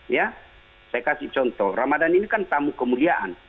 ya saya kasih contoh ramadan ini kan tamu kemuliaan